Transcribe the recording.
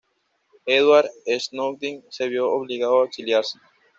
Edward Snowden se vio obligado a exiliarse.